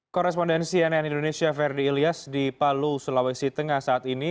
korespondensi nn indonesia ferdi ilyas di palu sulawesi tengah saat ini